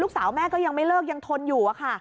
ลูกสาวแม่ก็ยังไม่เลิกยังทนอยู่